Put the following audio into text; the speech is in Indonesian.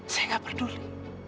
saya gak peduli